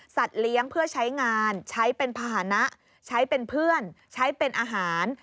เลี้ยงเพื่อใช้งานใช้เป็นภาษณะใช้เป็นเพื่อนใช้เป็นอาหาร